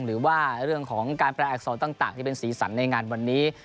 หรือว่าเรื่องของการแปลอักษรต่างที่เป็นสีสันในงานวันนี้